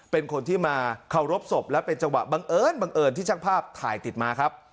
เป็นคนที่มาเคารพศพและเป็นจังหวะบังเอิญบังเอิญที่ช่างภาพถ่ายติดมาครับ